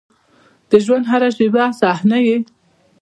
د ژونـد هـره شـيبه او صحـنه يـې